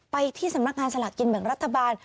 ไปที่สำนักงานสลากกินแบ่งรัฐบาล